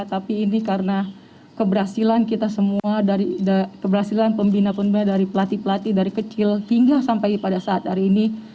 tapi ini karena keberhasilan kita semua dari keberhasilan pembina pembina dari pelatih pelatih dari kecil hingga sampai pada saat hari ini